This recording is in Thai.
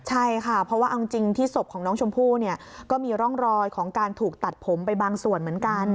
ใช่ค่ะเพราะว่าเอาจริงที่ศพของน้องชมพู่เนี่ยก็มีร่องรอยของการถูกตัดผมไปบางส่วนเหมือนกัน